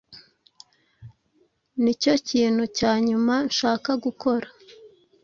Nicyo kintu cya nyuma nshaka gukora.